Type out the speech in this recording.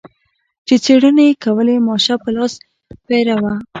چې څېړنې یې کولې ماشه په لاس پیره و.